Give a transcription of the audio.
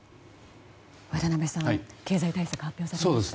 渡辺さん、経済対策が発表されましたが。